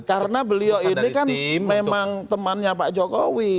karena beliau ini kan memang temannya pak jokowi